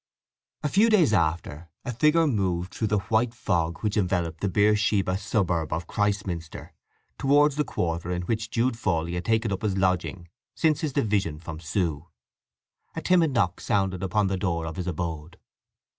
A few days after a figure moved through the white fog which enveloped the Beersheba suburb of Christminster, towards the quarter in which Jude Fawley had taken up his lodging since his division from Sue. A timid knock sounded upon the door of his abode.